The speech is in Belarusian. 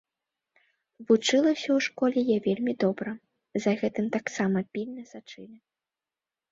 Вучылася ў школе я вельмі добра, за гэтым таксама пільна сачылі.